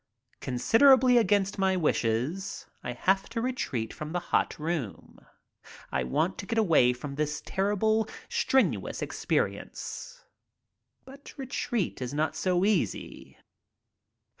Considerably against my wishes I have to retreat from the hot room. I want to get away from this terrible, strenuous experience. But retreat is not so easy.